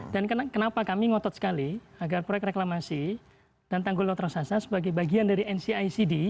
dan kenapa kami ngotot sekali agar proyek reklamasi dan tanggulotrasasa sebagai bagian dari ncicd